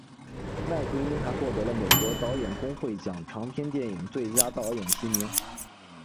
麦奎因还获得了美国导演工会奖长片电影最佳导演提名。